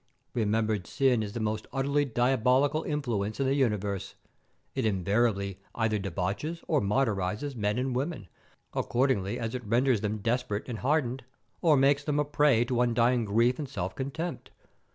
Remembered sin is the most utterly diabolical influence in the universe. It invariably either debauches or martyrizes men and women, accordingly as it renders them desperate and hardened, or makes them a prey to undying grief and self contempt.